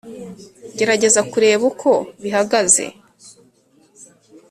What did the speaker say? Gerageza kureba uko bihagaze